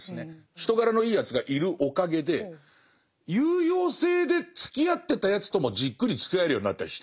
人柄のいいやつがいるおかげで有用性でつきあってたやつともじっくりつきあえるようになったりして。